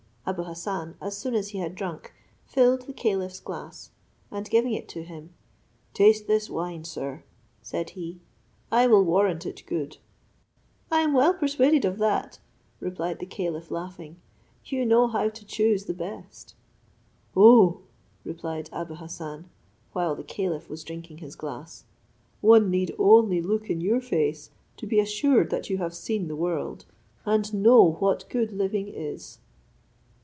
Abou Hassan, as soon as he had drunk, filled the caliph's glass, and giving it to him, "Taste this wine, sir," said he, "I will warrant it good." "I am well persuaded of that," replied the caliph, laughing, "you know how to choose the best." "O," replied Abou Hassan, while the caliph was drinking his glass, "one need only look in your face to be assured that you have seen the world, and know what good living is.